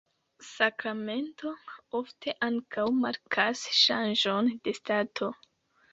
Sakramento ofte ankaŭ markas ŝanĝon de stato.